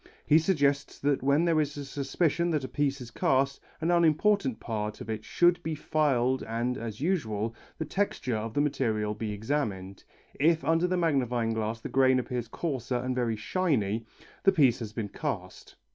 He suggests that when there is a suspicion that a piece is cast, an unimportant part of it should be filed and, as usual, the texture of the material be examined. If under the magnifying glass the grain appears coarser and very shiny, the piece has been cast.